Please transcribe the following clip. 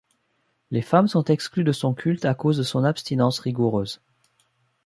Les femmes sont exclues de son culte à cause de son abstinence rigoureuse.